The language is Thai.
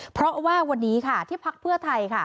เพราะว่าวันนี้ค่ะที่พักเพื่อไทย